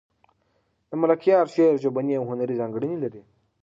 د ملکیار شعر ژبنۍ او هنري ځانګړنې لري.